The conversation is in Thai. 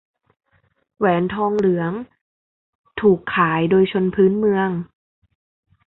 แหวนทองเหลืองถูกขายโดยชนพื้นเมือง